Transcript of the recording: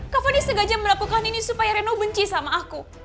kak fani segaja melakukan ini supaya reno benci sama aku